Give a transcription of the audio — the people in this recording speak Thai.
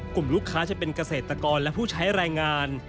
กลุ่มลูกค้าจะเป็นเกษตรกรและผู้ใช้แรงงาน